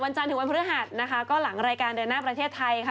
จันทร์ถึงวันพฤหัสนะคะก็หลังรายการเดินหน้าประเทศไทยค่ะ